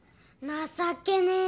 情けねぇ